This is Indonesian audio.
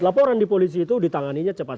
laporan di polisi itu ditanganinya cepat